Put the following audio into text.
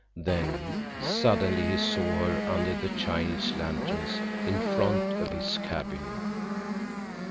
Then, suddenly, he saw her under the Chinese lanterns in front of his cabin.